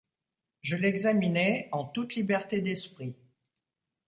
Je l’examinai en toute liberté d’esprit.